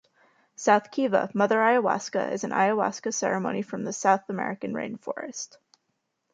"South Kiva, 'Mother Ayahuasca" is an Ayahuasca ceremony from the South American rainforest.